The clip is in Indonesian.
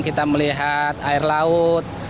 kita melihat air laut